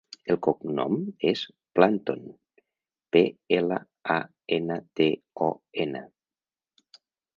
El cognom és Planton: pe, ela, a, ena, te, o, ena.